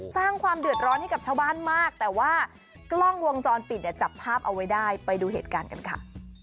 สร้างความเดือดร้อนให้กับชาวบ้านมากแต่ว่ากล้องวงจรปิดเนี่ยจับภาพเอาไว้ได้ไปดูเหตุการณ์กันค่ะ